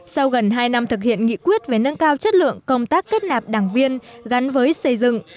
sau gần hai năm thực hiện nghị quyết về nâng cao chất lượng công tác kết nạp đảng viên gắn với xây dựng